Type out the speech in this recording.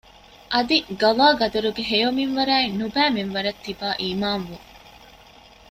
އަދި ޤަޟާ ޤަދަރުގެ ހެޔޮ މިންވަރާއި ނުބައި މިންވަރަށް ތިބާ އީމާން ވުން